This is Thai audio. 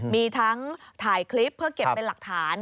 มีทั้งถ่ายคลิปเพื่อเก็บเป็นหลักฐาน